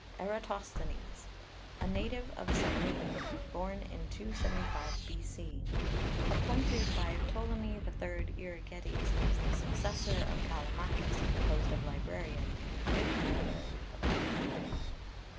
ERATOSTHENES, a native of Cyrene, born in 275 B.C.; appointed by Ptolemy III. Euergetes as the successor of Kallimachus in the post of librarian in the great library of Alexandria.